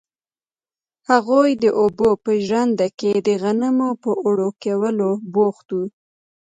هغوی د اوبو په ژرنده کې د غنمو په اوړه کولو بوخت وو.